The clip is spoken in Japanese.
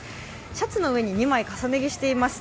シャツの上に２枚重ね着しています